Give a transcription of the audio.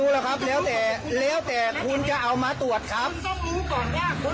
เพราะค่าสองอย่างไม่เหมือนกันครับ